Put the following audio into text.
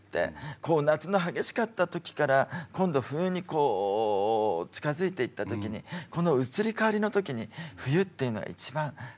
こう夏の激しかった時から今度冬にこう近づいていった時にこの移り変わりの時に冬っていうのは一番こう何かね